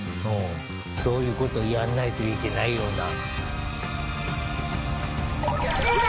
そういうことをやんないといけないような。